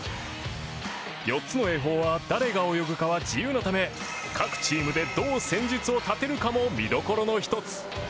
４つの泳法は誰が泳ぐかは自由なため各チームでどう戦術を立てるかも見どころの１つ。